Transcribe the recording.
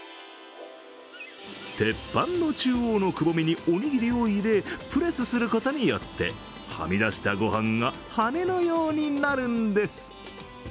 鉄板の中央のくぼみにおにぎりを入れプレスすることによってはみ出したご飯が羽根のようになるんです。